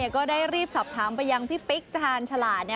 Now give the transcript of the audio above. ก็ได้รีบสอบถามไปยังพี่ปิ๊กจานฉลาด